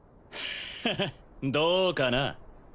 ハハッどうかな？